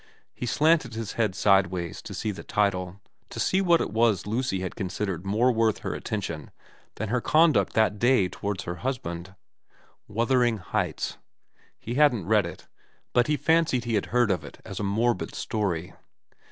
He slanted his head side ways to see the title, to see what it was Lucy had considered more worth her attention than her conduct that day towards her husband. Wuthering Heights. He hadn't read it, but he fancied he had heard of it as a morbid story.